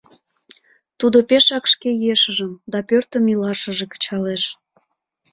Тудо пешак шке ешыжым да пӧртым илашыже кычалеш.